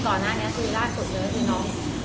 ก่อนหน้านี้คือล่าสุดเลยก็คือน้อง